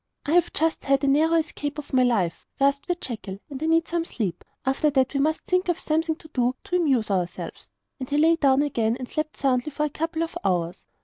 'I have just had a narrow escape of my life,' gasped the jackal, 'and I need some sleep. After that we must think of something to do to amuse ourselves.' And he lay down again and slept soundly for a couple of hours.